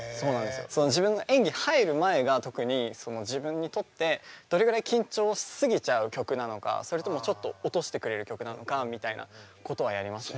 自分が演技入る前が特に自分にとってどれぐらい緊張し過ぎちゃう曲なのかそれともちょっと落としてくれる曲なのかみたいなことはやりますね。